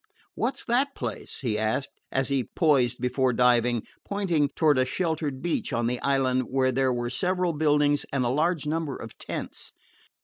"What 's that place?" he asked, as he poised before diving, pointing toward a sheltered beach on the island where there were several buildings and a large number of tents.